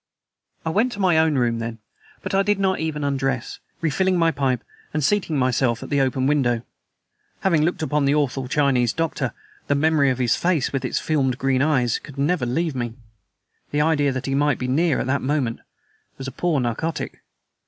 I went to my own room then. But I did not even undress, refilling my pipe and seating myself at the open window. Having looked upon the awful Chinese doctor, the memory of his face, with its filmed green eyes, could never leave me. The idea that he might be near at that moment was a poor narcotic.